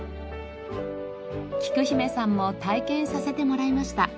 きく姫さんも体験させてもらいました。